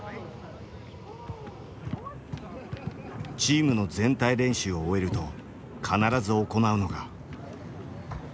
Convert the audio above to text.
チームの全体練習を終えると必ず行うのが。